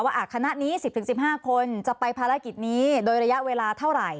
คณะนี้๑๐๑๕คนจะไปภารกิจนี้โดยระยะเวลาเท่าไหร่